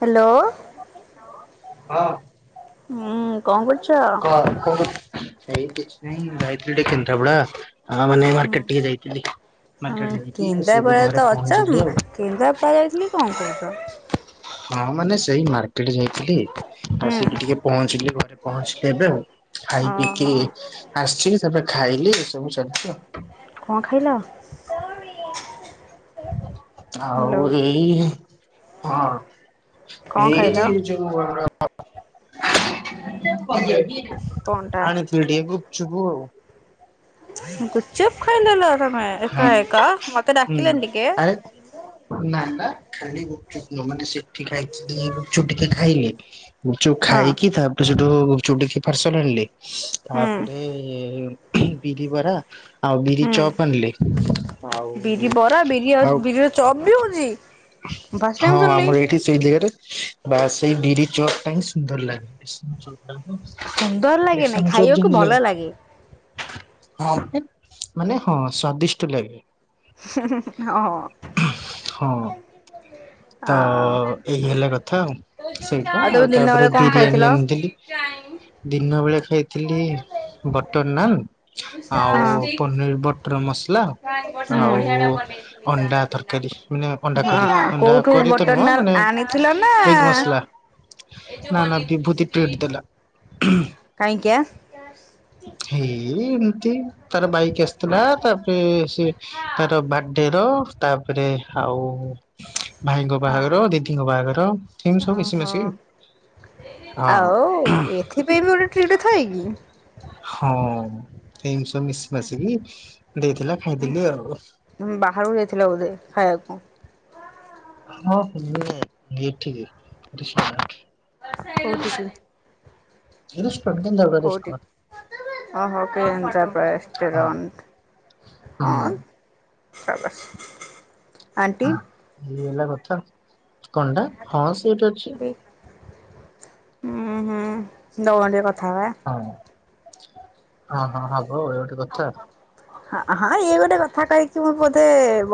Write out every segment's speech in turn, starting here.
Hello. ହଁ। ହୁଁ କଣ କରୁଛ? କ ଏଇ କିଛି ନାହିଁ ମୁଁ ଯାଇଥିଲି ଟିକେ କେନ୍ଦ୍ରାପଡ଼ା। ହଁ ମାନେ ମାର୍କେଟ ହୁଁ ଟିକେ ଯାଇଥିଲି। ମାର୍କେଟ ଜାଇକି ଆସି ଏବେ କେନ୍ଦ୍ରାପଡ଼ା ତ ଘରେ ଅଛ ପହଞ୍ଚିଲି ଆଉ କେନ୍ଦ୍ରାପଡ଼ା ଯାଇଥିଲି କଣ କହୁଛ? ହଁ ମାନେ ସେଇ ମାର୍କେଟ ଯାଇଥିଲି ହୁଁ ଆସିକି ଟିକେ ପହଞ୍ଚିଲି ଘରେ ପହଞ୍ଚିଲି। ଏବେ ଆଉ ଖାଇ ପିକି ଓହୋ ଆସିଛି ସେବେ ଖାଇଲି ଏ ସବୁ ସରିଛି ଆଉ କଣ ଖାଇଲ? ହ୍ୟାଲୋ ଆଉ ଏଇ ହଁ। କଣ ଏଇ ଖାଇଲ? [inaudible] କଣଟା ଆଣିଥିଲି ଟିକେ ଗୁପଚୁପୁ। ଗୁଚୁପ୍ ଖାଇଦେଲ ତମେ ହଁ ଏକା ଏକା ମତେ ହୁଁ ଡାକିଲନି ଟିକେ? ଆରେ ନା ନା ଖାଲି ଗୁପଚୁପ ନୁହ ମାନେ ସେଠି ଖାଇକି ଗୁପଚୁପ ଟିକେ ଖାଇଲି ଗୁପଚୁପ ହଁ ଖାଇକି ତାପରେ ସେଠୁ ଗୁପଚୁପ ଟିକେ ପାର୍ସଲ ଆଣିଲି ହୁଁ ତାପରେ ବିରି ବରା ଆଉ ବିରି ହୁଁ ଚପ୍ ଆଣିଲି। ଆଉ ବିରି ବରା ବିରି ଆଉ ବିରିର ଚପ ବି ହଉଛି? ଫାଷ୍ଟ ହଁ ଟାଇମ୍ ଶୁଣିଲି ଆମର ଏଇଠି ସେଇ ଜାଗାରେ ବା ସେଇ ବିରିଚପଟା ହିଁ ସୁନ୍ଦର ଲାଗେ। ସୁନ୍ଦର ଲାଗେ ନାଇଁ ଖାଇବାକୁ ଭଲ ଲାଗେ [inaudible] ହଁ ମାନେ ହଁ ସ୍ଵାଦିଷ୍ଟ ଲାଗେ। ହଁ। ହଁ ତ ଆଉ ଏଇ ହେଲା କଥା ଆଉ ସେଇଟା ଆଉ ତମେ ଦିନ ବେଳେ ତାପରେ କଣ ବିରିୟାନୀ ଖାଇଥିଲ? ଯୋଉ ଆଣିଥିଲି ଦିନ ବେଳେ ଖାଇ ଥିଲି ବଟର ନାନ୍ ଆଉ ପନିର ବଟର ମସଲା। ଆଉ ଅଣ୍ଡା ତରକାରୀ ମାନେ ଅଣ୍ଡା କରି ହଁ ଅଣ୍ଡା କୋଉଠୁ କରି ତ ବଟର ନୁହଁ ମାନେ ନାନ ଆଣିଥିଲ ନା? ଏଗ ମସଲା ଏ ଯୋଉ ନା ନା ବିଭୂତି ଟ୍ରିଟ ଦେଲା। କାଇଁକିବା? ହେଇ ଏମିତି ତାର ବାଇକ ଆସିଥିଲା ତାପରେ ସେ ତାର ବାର୍ଡେ [inaudible] ତାପରେ ଆଉ ଭାଇଙ୍କ ବାହାଘର ଦିଦିଙ୍କ ବାହାଘର ଏମିତି ସବୁ ମିଶି ଓହୋ ମାସିକି ଆଉ ଆଉ ଏଥିପାଇଁ ବି ଗୋଟେ ଟ୍ରିଟ ଥାଏ କି? ହଁ ଏମତି ସବୁ ମିଶି ମାସିକି ଦେଇଥିଲା ଖାଇଥିଲି ଆଉ ବାହାରକୁ ଯାଇଥିଲା ବୋଧେ ଖାଇବାକୁ। ହଁ ଏଇ ଠିକି ଏଟେ ଶୁଣ କୋଉଠିକି? [inaudible] କେନ୍ଦ୍ରାପଡ଼ା। କେଉଁଠି ଅ କେନ୍ଦ୍ରାପଡ଼ା ରେଷ୍ଟୁରଣ୍ଟ। ହଁ ସାବାସ୍ ଆଣ୍ଟି। ଏଇ ହେଲା କଥା କଣ୍ଟା ହଁ ସେ ଠିକ ଅଛି। ହୁଁ ହୁଁ ଦଉନ ଟିକେ କଥା ହବା। ହଁ ହଁ ହଁ ହବ ଇଏ ଗୋଟେ କଥା। ହଁ ଇଏ ଗୋଟେ କଥା କହିକି ମୁଁ ବୋଧେ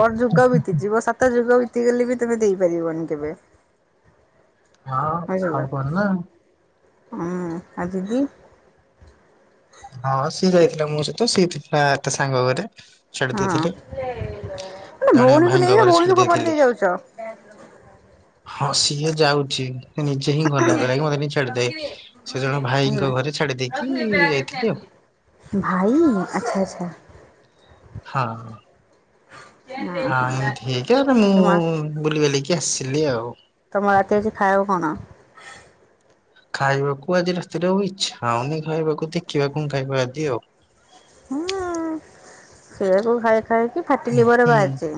ବଡ ଯୁଗ ବିତିଯିବ ସାତ ଯୁଗ ବିତିଗଲେ ବି କେବେ ଦେଇପାରିବନି କେବେ? ହଁ ଆଉ କଣ ନା [unintelligible] ଆ ଦିଦି? ହଁ ସିଏ ଯାଇଥିଲା ମୋ ସହିତ, ସିଏ ଥିଲା ତା ସାଙ୍ଗ ଘରେ। ଛାଡି ହଁ ଦେଇଥିଲି, ମାନେ ଜଣେ ଭଉଣୀକୁ ଭାଇଙ୍କ ନେଇକି ଘରେ ଭଉଣୀକୁ ଛାଡି ଫୋପାଡି ଦେଇଥିଲି। ଦେଇ ଯାଉଛ ହଁ ସିଏ ଯାଉଚି। ସେ ନିଜେ ହିଁ ଗଲା କହିଲା କି ମତେ ଛାଡିଦେ, ସେ ଜଣ ହୁଁ ଭାଇଙ୍କ ଘରେ ଛାଡି ଦେଇକି ଯାଇ ଭାଇ, ଆଚ୍ଛା-ଆଚ୍ଛା। ହଁ। ହଁ [unintelligible] ଠିକ୍ ଆରେ ତମ ମୁଁ ବୁଲି ବାଲିକି ଆସିଲି ଆଉ। ତମ ରାତିରେ ଆଜି ଖାଇଆକୁ କଣ? ଖାଇବାକୁ ଆଜି ରାତିରେ ଆଉ ଇଚ୍ଛା ହଉନି ଖାଇବାକୁ, ଦେଖିବା କଣ ଖାଇବା ଆଜି ଆଉ। ହୁଁ ସେଇଆକୁ ଖାଇ ଖାଇକି ଫାଟି ଲିଭର ହୁଁ। ବାହାରିଚି।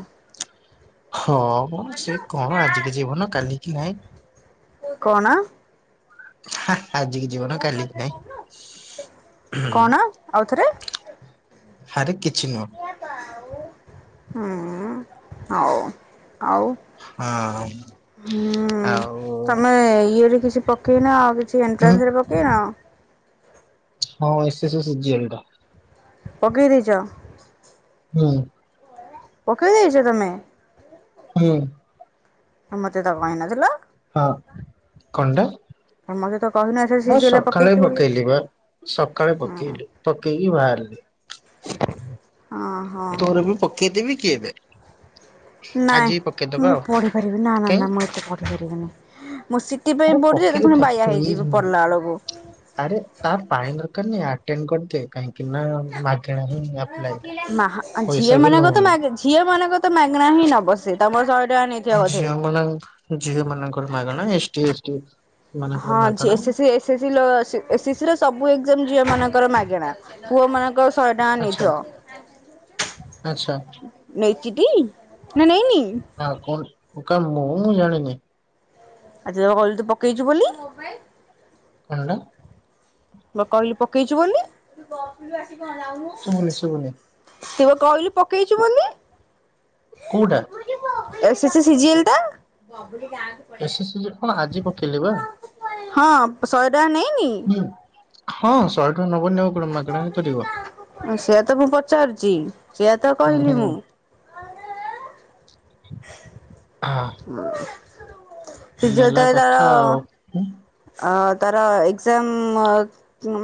ହଁ ମ ସେ କଣ ଆଜିକି ଜୀବନ କାଲିକି ନାହିଁ। କଣ? ହା ଆଜିିକି ଜୀବନ କାଲିକି ନାହିଁ। କଣ ଆଉଥରେ ହାରେ କିଛି ନୁହଁ। ହୁଁ ହଉ। ଆଉ ହଁ ହୁଁ ଆଉ ତମେ ଇଏରେ କିଛି ପ ପକେଇନା ଆଉ କିଛି ହୁଁ ଏଣ୍ଟ୍ରାସ୍ ରେ ପକେଇନ? ହଁ ଏସ୍ ଏସେ ସିଜିଏଲ୍ ଟା। ପକେଇଦେଇଚ? ହୁଁ। ପକେଇଦେଇଚ ତମେ? ହୁଁ। [unintelligible] ମତେ ତ କହିନଥିଲ? ହଁ କଣ ଟା? ମତେ ତ କହିନ ଏଥର ମୁଁ ସିଜିଏଲ୍ ରେ ସକାଳେ ପକେଇଛି ବୋଲି। ପକେଇଲି ବା, ସକାଳେ ହଁ ପକେଇଲି। ପକେଇକି ବାହାରିଲି, ହଁ ହଁ ତୋର ବି ପ କେଇଦେବି କି ଏବେ? ନାଇଁ ଆଜି ପକେଇଦବା ମୁଁ ଆଉ ପଢିପାରିବିନି କାଇଁ ନା-ନା-ନା, ମୁଁ ଏତେ ପଢିପାରିବିନି ମୁଁ ସି ଟି ପାଇଁ ଆରେ ପଢୁଚି [unintelligible] ଫୁଣି ପକେଇଦେଇଥିବା ବାୟା ହେଇଯିବି ଫ୍ରି ପଢ଼ିଲା ବେଳୁକୁ। ଆରେ ତା [unintelligible] ଦରକାର୍ [unintelligible] ଆଟେଣ୍ଡ କରିଦେ, କାହିଁକି ନା ମାଗେଣାରେ ନା ଝିଅ ମାନଙ୍କ ନଉନି ତ ଝିଅ ମାନଙ୍କ ତ ମାଗଣା ହିଁ ନବ। ସେ ତମର ଶହେ ଟଙ୍କା ନେଇଥିବ ବୋ। [unintelligible] ଝିଅ ମନଙ୍କର ମାଗଣା ଏସ୍ ଟି ଏସ୍ ଟି ସେମାନଙ୍କର ହଁ ଝିଅ ମାଗଣା ସେ [unintelligible] ସବୁ ଏକ୍ଜାମ୍ ଝିଅମାନଙ୍କର ମାଗେଣା। ପୁଅ ମାନଙ୍କର ଶହେ ଆଚ୍ଛା ଟଙ୍କା ଆଚ୍ଛା ନେଇଥିବ। ନେଇଚିଟି ନା ନେଇନି? ନାଁ କଣ କା ମୁଁ ଜାଣିନି। ଆଜି ତ କହିଲୁ ତୁ ପକେଇଚୁ ବୋଲି। କଣ ଟା? ତୁ ବା କହିଲୁ ପକେଇଚୁ ବୋଲି। ଶୁଭୁନି ଶୁଭୁନି ତୁ ବା କହିଲୁ ପକେଇଚୁ ବୋଲି। କୋଉଟା? S S C C G L ଟା? S S C C G L କଣ ଆଜି ପକେଇଲ ବା। ହଁ ଶହେ ଟଙ୍କା ନେଇନି? ହଁ, ହୁଁ ଶହେ ଟଙ୍କା ନବନି କଣ ମାଗଣା ରେ କରିବ। ସେଆ ତ ମୁଁ ପଚାରୁଛି ସେଆ ତ ହୁଁ କହିଲି ହୁଁ ମୁଁ। ହଁ। [unintelligible] ତ ତାର କଥା ଆଉ। ହୁଁ, ତାର ଏକ୍ଜାମ୍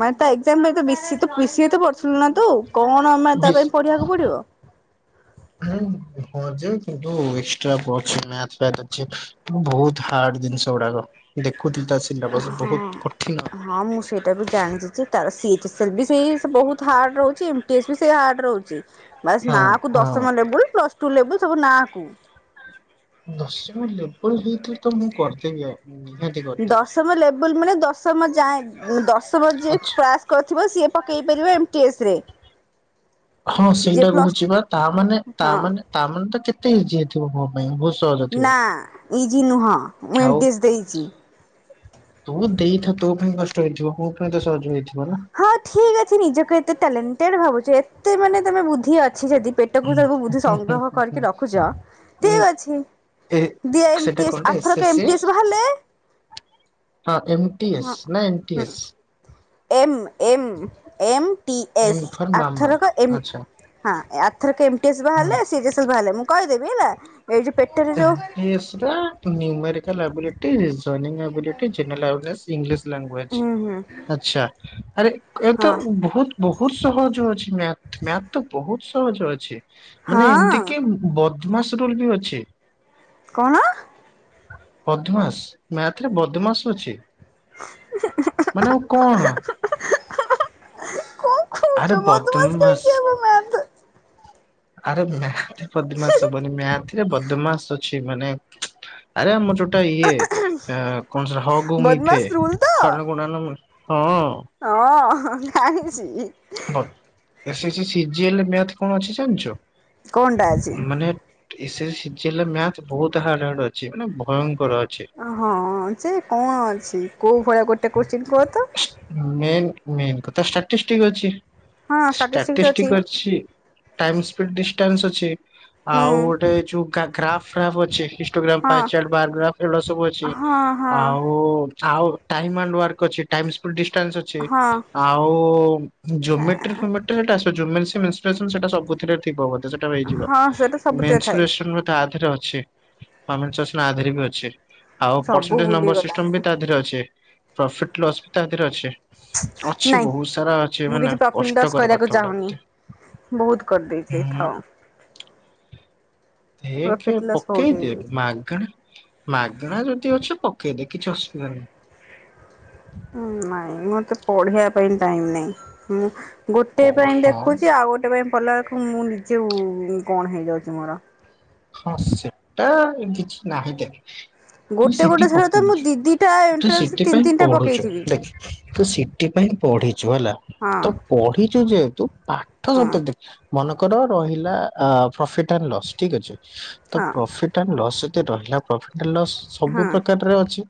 ମାନେ ତା ଏକ୍ସାମ ତ ବେଶି ତ ପି ସି ଏମ୍ ତ ପଢ଼ୁଥିଲୁ ନା ତୁ? କଣ ମାନେ ତା ପାଇଁ ପଢିବାକୁ ପଡିବ? [unintelligible] [unintelligible] ବହୁତ ହାର୍ଡ ଜିନିଷ ଗୁଡ଼ାକ। ଦେଖୁଥିଲି ତା ସେ ହଁ। ହଁ ମୁଁ ସେଇଟା ବି ଜାଣିଛି ଯେ ତାର ସି ଏଚ୍ ସି ଏଲ୍ ବି ସେଇ ବହୁତ ହାର୍ଡ଼ ରହୁଛି। ବି ସେ ହାର୍ଡ ରହୁଛି। ବାସ୍ ହଁ ନାଁ କୁ ହଁ ଦଶମ ଲେବୁଲ, ପ୍ଲସ ଟୁ ଲେବୁଲ ସବୁ ନାଁ କୁ। ଦଶମ ଲେବଲ ହେଇଥିଲେ ତ ମୁଁ କରିଦେବି ଆଉ। ନିହାତି କରିଦେବି। ଦଶମ ଲେବୁଲ ମାନେ ଦଶମ ଯାଏ, ଦଶମ ଯିଏ ଆଚ୍ଛା କରିଥିବ ସିଏ ପକେଇ ପାରିବ ଏମ୍ ଟି ଏସ୍ ରେ। ହଁ ଯିଏ ସେଇଟା ପ୍ଲସ କହୁଛି ବା ତା ମାନେ-ତା ହଁ ମାନେ-ତା ମାନେ ତ କେତେ ଇଜି। ଥିବ ମୋ ପାଇଁ ବହୁତ ସହଜ ନା ଇଜି ଥିବ। ନୁହଁ ମୁଁ ହଉ। ଏମଟିଏସ୍ ଦେଇଛି। ତୁ ଦେଇଥା ତୋ ପାଇଁ କଷ୍ଟ ହେଇଥିବ। ମୋ ପାଇଁ ତ ସହଜ ହେଇଥିବ ନା। ହଁ ଠିକ୍ ଅଛି ନିଜକୁ ଏତେ ଟ୍ୟାଲେଣ୍ଟେଡ ଭାବୁଛ। ଏତେ ମାନେ ତମେ ବୁଦ୍ଧି ଅଛି ଯଦି ପେ ଟକୁ ତାକୁ ବୁଦ୍ଧି ହୁଁ ହୁଁ ସଂଗ୍ରହ ହୁଁ ହୁଁ କରିକି ରଖୁଛ ଉଁ ଠିକ୍ ଅଛି। ଏ ଦିଅ ଏମ୍ ସେଟା ଟି ଏସ୍। କଣଟେ ଆର ଥରକ ସି ଏମ ଟି ଏସ୍ ବାହାରିଲେ ହଁ ଏ ଏମ୍ ଟି ଏସ୍ ହଁ ନା ଏନ୍ ଟି ଏସ୍? ଏମ୍, ଏମ୍। ଏମ୍ ଟି ଏସ୍ ଆର ଏନଫରମାମା ଥରକ ଏମ୍ ଆଚ୍ଛା। ହଁ। ଆଥରକ ଏମ୍ ଟି ଏସ୍ ହଁ ବାହାରିଲେ ସି ଜି ସି ଏଲ୍ ବାହାରିଲେ ମୁଁ କହିଦେବି ହେଲା। ଏଇଠି ପେଟରେ ଯୋଉ [inaudible] numerical ability joining ability general awareness English language. ହୁଁ ହୁଁ ଆଚ୍ଛା ଆରେ ଏ ତ ହଁ ବହୁତ ବହୁତ ସହଜ ଅଛି ମ୍ୟାଥ। ମ୍ୟାଥ ତ ବହୁତ ସହଜ ଅଛି ମାନେ ହଁ ଏମିତି କି ବଦମାସ୍ ରୁଲ ବି ଅଛି। କଣ? ବଦମାସ୍, ମ୍ୟାଥ ରେ ବଦମାସ ଅଛି। ମାନେ ଆଉ କଣ? ଆରେ ଖଉଚୁ ବଦମାସ୍ ବଦମାସ କାହିଁକି ହବ ମ୍ୟାଥ। ଆରେ ମ୍ୟାଥ ବଦମାସ୍ ହବନି। ମ୍ୟାଥରେ ବଦମାସ୍ ଅଛି। ମାନେ ଆରେ ଆମର ଯୋଉଟା ଇଏ କଣ ସେଟା ହ ଗୁ ମି ଫେ ବଦମାସ ରୁଲ୍ ତ ହରଣ, ଗୁଣନ ହଁ। ହଁ ଜାଣିଛି। S S C C G L ରେ ମ୍ୟାଥ କଣ ଅଛି ଜାଣିଛୁ? କଣଟା ଅଛି? ମାନେ S S C C G L ରେ ମ୍ୟାଥ ବହୁତ ହାର୍ଡ ହାର୍ଡ ଅଛି। ମାନେ ଭୟଙ୍କର ଅଛି। ହଁ ଯେ କଣ ଅଛି? କୋଉ ଭଳିଆ ଗୋଟେ କୋଶ୍ଚିନ୍ କୁହ ତ। ମେନ୍ ମେନ୍ ତ ଷ୍ଟାଟିଷ୍ଟିକ୍ସ ଅଛି। ଷ୍ଟାଟିଷ୍ଟିକ୍ସ ଅଛି। ଟାଇମ୍ ସ୍ପିଡ ଡିଷ୍ଟାନ୍ସ ଅଛି। ହୁଁ ଆଉ ଗୋଟେ ଯୋଉ ଗ୍ରା ଗ୍ରାଫ୍ ଫ୍ରାଫ୍ ଅଛି। ଗ୍ରାମ ହଁ ପାଏ ଚାଟ ବାର ଗ୍ରାଫ ଏଗୁଡ଼ା ସବୁ ଅଛି ହଁ ହଁ। ଆଉ ଆଉ ଟାଇମ୍ ଆଣ୍ଡ ୱାରକ ଅଛି। ଟାଇମ୍ସ [unintelligible] ଡିଷ୍ଟାନ୍ସ ଅଛି ହଁ ଆଉ ଯୋମେଟ୍ରି ଫୋ [unintelligible] ମିଷ୍ଟ ସେଇଟା ସବୁଥିରେ ଥିବ ବୋଧ। ହେଇଯିବ ହଁ ସେଟା ସବୁଥିରେ ଥାଏ। ମେନସୁରେସନ ବୋଧେ ଆ ଦିହରେ ଅଛି। ଆମେ [unintelligible] ଦିହରେ ବି ଅଛି ଆଉ ସବୁ ପର୍ସନଟେଜ୍ ନମ୍ୱର ସିଷ୍ଟମ୍ ବି ଭୁଲିଗଲାଣି ତା ଦିହରେ ଅଛି। ପ୍ରଫିଟ୍ ଲସ୍ ବି ତା ଦେହରେ ଅଛି। ଅଛି ନାଇଁ ବହୁତ ସାରା ଅଛି ମୁଁ ମାନେ କିଛି ପ୍ରଫିଟ୍ ଲସ୍ କଷ୍ଟକର କରିବାକୁ ପାଠ ଗୁଡ଼ା ଚାହୁଁନି। ବୋଧେ। ବହୁତ କରି ଦେଇଛି ହୁଁ ଏଥର। ଦେଖେ ପ୍ରଫିଟ୍ ଲସ୍ ବହୁତ ପକେଇ ଦେ ହେଇଯିବ। ମାଗେଣା ମାଗଣା ଯଦି ଅଛି ପକେଇଦେ କିଛି ଅସୁବିଧା ନାହିଁ। ନାଇଁ ମତେ ପଢ଼ିବା ପାଇଁ ଟାଇମ ନାହିଁ। ମୁଁ ଓ ଗୋଟେ ପାଇଁ ହଁ ଦେଖୁଛି ଆଉ ଗୋଟେ ପାଇଁ ପଢ଼ିଲା ବେଳକୁ ମୁଁ ନିଜେ କଣ ହେଇଯାଉଛି ମୋର ହଁ ସେଟା କିଛି ନାହିଁ ଦେଖ୍ ତୁ ଗୋଟେ ସେଠି ଗୋଟେ ଥର ତ ମୁଁ ପକଉଛୁ ଦି ଦିଟା ତୁ ଏଣ୍ଟ୍ରାନ୍ସ ତିନି ସେଥିପାଇଁ ତିନିଟା ପଢୁଛୁ ପକେଇଥିବି। ଦେଖ ତୁ ସେଥି ପାଇଁ ପଢିଛୁ ହେଲା ହଁ ତ ପଢିଛୁ ଯେହେତୁ ପାଠ ହଁ ମନେକର ରହିଲା ପ୍ରଫିଟ୍ ଆଣ୍ଡ ଲସ୍ ଠିକ ଅଛି ତ ହଁ ପ୍ରଫିଟ୍ ଲସ୍ ଯତି ରହିଲା ପ୍ରଫିଟ ଲସ୍ ସବୁ ହଁ। ପ୍ରକାରରେ ଅଛି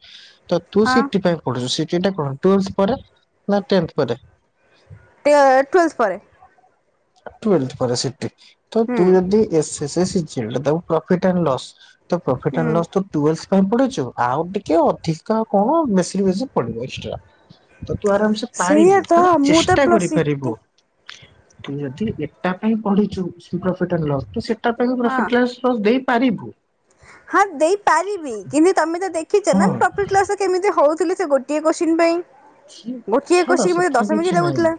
ତୁ ହଁ ସିଟି ପାଇଁ ପଢୁ୍ଛୁ ସିଟି ଟା କଣ। ଟୁଏଲ୍ଥ ପରେ ନା ଟେନ୍ଥ ପରେ? ଟୁ ଟୁଏଲ୍ଥ ପରେ ଟୁଏଲ୍ଥ ପରେ ସିଟି ହୁଁ ତୁ ଯଦି A C C C G L ଦବୁ ପ୍ରଫିଟ୍ ଆଣ୍ଡ ଲସ୍ ତ ପ୍ରଫିଟ୍ ଆଣ୍ଡ ହୁଁ। ଲସ୍ ତ ଟୁଏଲ୍ଥ ପାଇଁ ପଢିଛୁ ଆଉ ଟିକେ ଅଧିକା କଣ ବେଶୀ ବେଶୀ ପଢିବୁ ଏକ୍ସଟ୍ରା। ତ ତୁ ଆରାମ୍ ସେ ସେଇଆ ପାରିବୁ ତ ହେଲା ମୁଁ ତ ଚେଷ୍ଟା ପ୍ଲସ୍ ସିଟି କରିପାରିବୁ। ତୁ ଯଦି ଏଟା ପାଇଁ ପଢିଛୁ ପ୍ରଫିଟ୍ ଲସ୍ ତ ସେଟା ପାଇଁ ହଁ। ପ୍ରଫିଟ ଲସ୍ ଦେଇପାରିବୁ। ହଁ ଦେଇପାରିବି କିନ୍ତୁ ତମେ ତ ଦେଖିଛ ନା ହଁ ପ୍ରଫିଟ୍ ଲସ୍ କେମିତି ହଉଥିଲି ସେ ଗୋଟିଏ କୋଶ୍ଚିିନ୍ ପାଇଁ ସିଏ ଗୋଟିଏ ଛାଡ କୋଶ୍ଚିିନ୍ ପାଇଁ ମତେ ସେଥିରେ ଦଶ କିଛି ମିନିଟ୍ ନାହିଁ। ଲାଗୁଥିଲା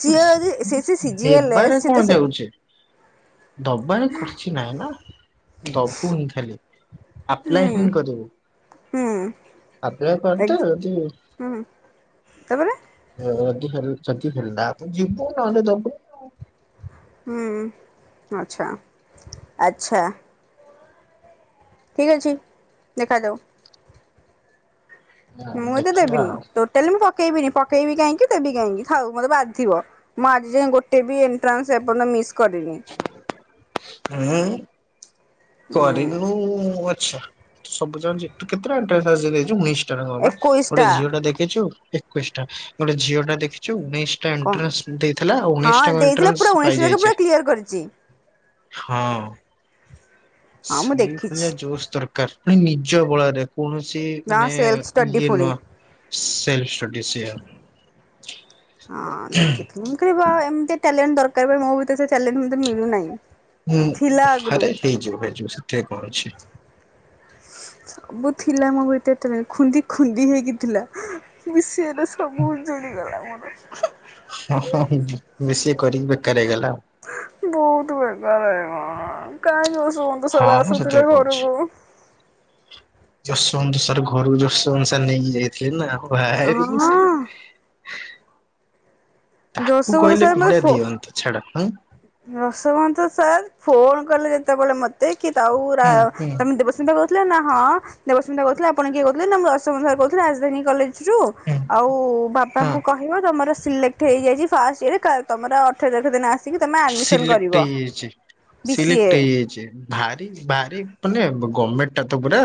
ସିଏ ଯଦି ସିଏ ସିଏ ସିଜିଏଲେ ଦେବାରେ ସିଏ କଣ ତ ସେ ଯାଉଛି? ଦବାନେ କରଛି ନାଇଁ ନା ଦବୁନି ଖାଲି ଆପ୍ଲାଏ ହୁଁ ହିଁ କରିବୁ ହୁଁ [unintelligible] ଆଣ ପଦ ତ ଏଗ୍ ଯଦି ହୁଁ ତାପରେ ଯଦି ହେରିଲା ଆପଣ ଯିବୁ ନହେଲେ ଦବୁ ହୁଁ ଆଚ୍ଛା ଆଚ୍ଛା। ଠିକ୍ ଅଛି ଦେଖା ଯାଉ ମୁଁ ଏ ତ ଦେଖିବା ଦେବିନି ଟୋଟାଲି ମୁଁ ପକେଇବିନି ପକେଇବି କାହିଁକି ଦେବି କାହିଁକି ଥାଉ ମତେ ବାଧିବ ମୁଁ ଆଜି ଯାଏଁ ଗୋଟେ ବି ଏଣ୍ଟ୍ରାନ୍ସର୍ଯ୍ୟନ୍ତ ମିସ୍ କରିନି ହୁଁ। ହୁଁ କରିନୁ ଆଚ୍ଛା ସବୁ ଜାଣିଛୁ ତୁ କେତେଟା ଏଣ୍ଟ୍ରାନ୍ସ୍ ଆଜି ଯାଏ ଦେଇଛୁ [unintelligible] ଗୋଟେ ଏକୋଇଶଟା ଝିଅ ଟା ଦେଖିଛୁ ଏକୋଇଶ ଟା ଗୋଟେ ଝିଅ ଟା ଦେଖିଛୁ ଉଣେଇଶି ଉଣେଇଶ ଟା କଣ ଏଣ୍ଟାନ୍ସ ଦେଇଥିଲା ଉଣେଇଶ ହଁ ଟା ଯାକ ଦେଇଥିଲା ପୁରା ଏଣ୍ଟାନ୍ସ ଉଣେଇଶ ଯାକ ପାଇଯାଇଛି। ପୁରା କ୍ଲିୟର କରିଛି। ହଁ। ହଁ ମୁଁ ଦେଖିଛି ସେଇଭଳିଆ ଜୋସ୍ ଦରକାର ପୁଣି ନିଜ ବଳରେ କୌଣସି ନା ମାନେ ସେଲ୍ଫ ଷ୍ଟଡି ଇଏ ପୁଣି ନୂହଁ ସେଲ୍ଫ ଷ୍ଟଡି [unintelligible] ହଁ ଦେଖି ମୁ [unintelligible] ଏମତି ଟାଲେଣ୍ଟ ଦରକାର ମୋ ବି ସେ ଟାଲେଣ୍ଟ ମୋତେ ମିଳୁନାହିଁ। ହୁଁ ଥିଲା ଆଗରୁ ଆରେ ହେଇଯିବ ହେଇଯିବ ସେଥିପାଇଁ କଣ ଅଛି? ସବୁ ଥିଲା ମୋ ଭିତରେ ଏତେ ଖୁନ୍ଦି ଖୁନ୍ଦି ହେଇକି ଥିଲା ସବୁ ଉଜୁଳିଗଲା ମୋର ମିଶି କରିକି ବେକାର ହେଇଗଲା ଆଉ ବହୁତ ବେକାର ହୋଇଗଲା କାହିଁକି ୟୋଶୋବନ୍ତ ହଁ ସାର ମ ଆସୁଥିଲେ ଘରକୁ ୟୋଶୋବନ୍ତ ସାର ଘରୁକୁ ୟୋଶୋବନ୍ତ ସାର ନେଇକି ଯାଇଏ [unintelligible] ଆ ନା ଭାର ହଁ ତାକୁ ଯଶୋବନ୍ତ କହିଲେ ପିଲା ଦିଅନ୍ତୁ ଛାଡ ୟୋଶୋବନ୍ତ ସାର୍ ଫୋନ କଲେ ଯେତେବେଳେ ମତେ କି ତା ହୁଁ ହୁଁ ତମେ ଦେବସ୍ମିତା କହୁ ଥିଲେ ନା ହଁ ଦେବସ୍ମିତା କହୁଥିଲେ ଆପଣ କିଏ କହୁଥିଲେ ମୁଁ ୟୋଶୋବନ୍ତ ସାର୍ କହୁଥିଲି ରାଜଧାନୀ କଲେଜ ହୁଁ ଆଉ ହଁ ବାପାଙ୍କୁ କହିବ ତମର ସିଲେକ୍ଟ ହେଇଯାଇଛି ଫାଷ୍ଟ ଇୟରେ ତମର ଅଠର ତାରିଖ ଦିନ ଆସିକି ତମେ ଆଡ଼ମିସନ୍ ସିଲକ୍ଟ କରିବ ହେଇଛି ବି ସି ଏ ସିଲକ୍ଟ ରେ ହେଇଛି। ଭାରି ଭାରି ମାନେ ଗମେଣ୍ଟ ଟା ତ ପୁରା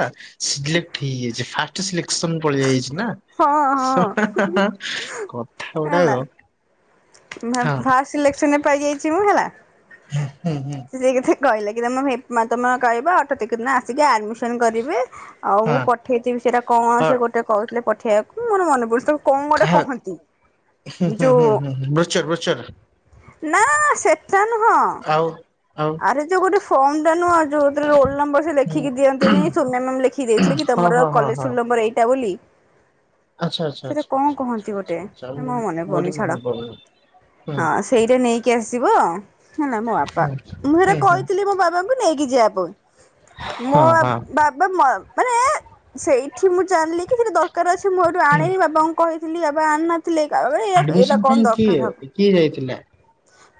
ସିଲେକ୍ଟ ହେଇଯାଇଛି ଫାଷ୍ଟ ସିଲେକ୍ସନ ପଳାଇଛି ନା। ହଁ ହଁ କଥା ହେଲା ଗୁଡାକ [unintelligible] ଫାଷ୍ଟ ସିଲେକ୍ସନରେ ପାଇଯାଇଛି ମୁଁ ହେଲା। ହୁଁ ହୁଁ ହୁଁ। ସେ କେତେ କହିଲା କି ତମ ତମର କହିବ ଅଠତିକ ଦିନ ଆସିକି ଆଡମିସନ କରିବେ। ଆଉ ମୁଁ ହଁ। ପଠେଇଥିବି ସେଇଟା କଣ ହଁ ସେ ଗୋଟେ କହୁଥିଲେ ପଠେଇବାକୁ ମୋର ମନେ ପ [unintelligible] କଣ ଗୋଟେ ହୁଁ କହନ୍ତି ଯୋଉ ବୃଛୁର ବୃଛର ନା ସେଟା ନୁହଁ। ଆଉ ଆଉ ଆରେ ଯୋଉ ଗୋଟେ ଫର୍ମ ଟା ନୁହଁଉ ଯୋଉରେ ରୋଲ ନମ୍ବର ସେ ଲେଖିକି ହଁ ଦିଅନ୍ତିନି ସ ମ୍ୟାମ ଲେଖିକି ଦେଇଥିଲେ କି ତମର ହଁ ହଁ କଲେଜ ହଁ ସୁଲ ନମ୍ବର ଏଇଟା ବୋଲି। ଆଚ୍ଛା ଆଚ୍ଛା ସେଟା ଆଚ୍ଛା କଣ ଆଚ୍ଛା ଆଚ୍ଛା କହନ୍ତି ଗୋଟେ ଆଚ୍ଛା ଆଚ୍ଛା ହେ ମୁଁ ମୋ ମନେ ମୋରି ପଡୁନି ମନେ ଛାଡ ପଡୁନି ହୁଁ ହୁଁ। ହଁ। ସେଇଟା ନେଇକି ଆସିବ ହେଲା ମୋ ବାପା ହୁଁ ମୁଁ ହେଟା ହୁଁ କହିଥିଲି ମୋ ବାବାଙ୍କୁ ନେଇକି ଯିବା ପାଇଁ। ମୋ ହଁ ହଁ ବାବା ମ ମାନେ ସେଇଠି ମୁଁ ଜାଣିଲି କିଛି ଦରକାର ଅଛି ମୁଁ ଏଠୁ ହୁଁ ଆଣିନି ବାବାଙ୍କୁ କହିଥିଲି ବାବା ଆଣିନା ଥିଲି [unintelligible] ଆଡମିସନ ଏଇଟା ପାଇଁ କଣ ଦରକାର କିଏ ହବ। କିଏ ଯାଇଥିଲା?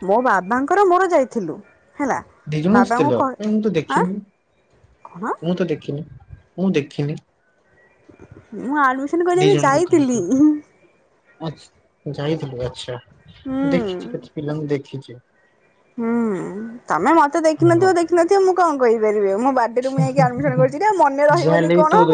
ମୋ ବାବାଙ୍କର ମୋର ଯାଇଥିଲୁ ହେଲା ଦି ଜଣ ଆସିଥିଲ ବାବାଙ୍କୁ କ କାଇଁ ମୁଁ ତ ଆଃ ଦେଖିନି କଣ? ମୁଁ ତ ଦେଖିନି ମୁଁ ଦେଖିନି। ମୁଁ ଆଡମିସନ କରିବା ପାଇଁ ଯାଇଥିଲି। ହିଁ ଆଛ ଯାଇଥିଲେ ଆଚ୍ଛା ମୁଁ ଦେଖିଛି କେତେ ପିଲାଙ୍କୁ ଦେଖିଛି। ହୁଁ ତମେ ମତେ ହଁ ଦେଖିନଥିବ ଦେଖିନଥିବ ମୁଁ କଣ କହିପାରିବି ଆଉ ମୋ ବାର୍ଡେରେ ମୁଁ ଯାଇକି ଆଡମିଶନ କରିଛି ସେଟା ମନେ ରହିବନି ଯାହାହେଲେ ବି କଣ ତୋ ହବ।